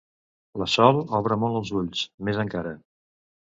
La Sol obre molt els ulls, més encara.